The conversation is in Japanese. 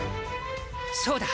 そうだ！